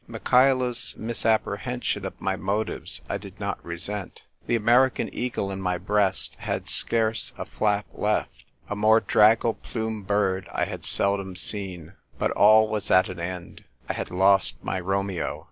Michaela's misappre hension of my motives I did not resent ; the American eagle in my breast had scarce a flap left — a more draggle plumed bird I had seldom seen. But all was at an end. I had lost my Romeo.